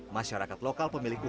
masyarakat lokal memiliki usaha